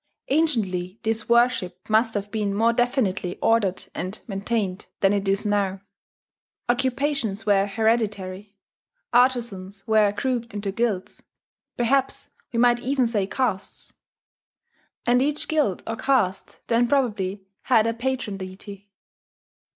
Anciently this worship must have been more definitely ordered and maintained than it is now. Occupations were hereditary; artizans were grouped into guilds perhaps we might even say castes; and each guild or caste then probably had in patron deity.